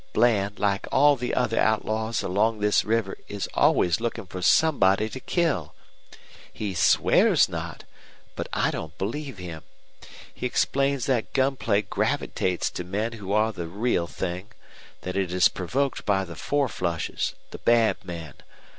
Bland, like all the other outlaws along this river, is always looking for somebody to kill. He SWEARS not, but I don't believe him. He explains that gunplay gravitates to men who are the real thing that it is provoked by the four flushes, the bad men.